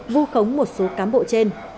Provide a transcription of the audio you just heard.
vô khống một số cán bộ trên